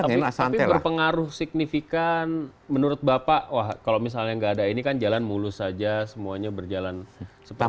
tapi berpengaruh signifikan menurut bapak wah kalau misalnya nggak ada ini kan jalan mulus saja semuanya berjalan seperti ini